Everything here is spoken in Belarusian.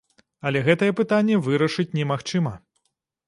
Але гэтае пытанне вырашыць немагчыма.